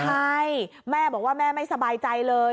ใช่แม่บอกว่าแม่ไม่สบายใจเลย